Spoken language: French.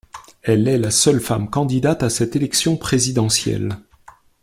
Elle est la seule femme candidate à cette élection présidentielle.